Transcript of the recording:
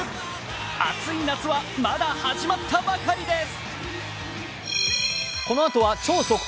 熱い夏はまだ始まったばかりです。